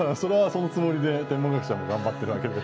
そのつもりで天文学者も頑張ってるわけで。